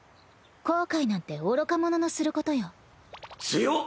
後悔なんて愚か者のすることよ。